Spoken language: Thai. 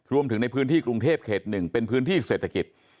รวมถึงในพื้นที่กรุงเทพเขต๑เป็นพื้นที่เศรษฐกิจ